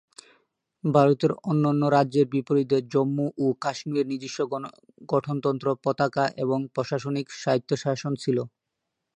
ভারতের অন্যান্য রাজ্যের বিপরীতে, জম্মু ও কাশ্মীরের নিজস্ব গঠনতন্ত্র, পতাকা এবং প্রশাসনিক স্বায়ত্তশাসন ছিল।